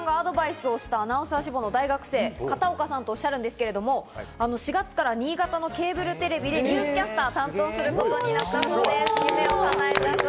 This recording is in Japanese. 皆さんをお迎えして４０連発目をお届けしたいんですが、その前に、水卜さんがアドバイスをしたアナウンス志望の大学生・片岡さんとおっしゃるんですけど、４月から新潟のケーブルテレビでニュースキャスターを担当することになったそうです。